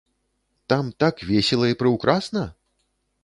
Там так весела і прыўкрасна?